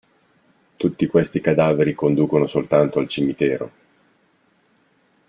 Tutti questi cadaveri conducono soltanto al cimitero.